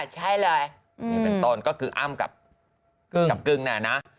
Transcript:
ใช่เลยนี่เป็นต้นก็คืออ้ำกับกึ้งน่ะนะ